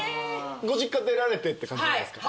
ご実家出られてって感じなんですか？